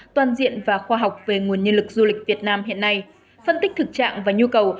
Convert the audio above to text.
toàn diện và khoa học về nguồn nhân lực du lịch việt nam hiện nay phân tích thực trạng và nhu cầu